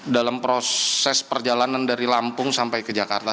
dalam proses perjalanan dari lampung sampai ke jakarta